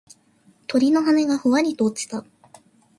鳥の羽がふわりと落ちた。